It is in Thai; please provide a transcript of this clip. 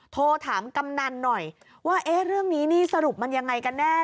โทรถามกำนันหน่อยว่าเอ๊ะเรื่องนี้นี่สรุปมันยังไงกันแน่